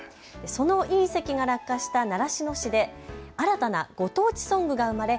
その隕石が落下した習志野市で新たなご当地ソングが生まれ